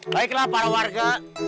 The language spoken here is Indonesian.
baiklah para warga